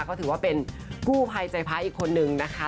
ก็ถือว่าเป็นกู้ภัยใจพระอีกคนนึงนะคะ